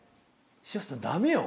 柴田さんダメよ。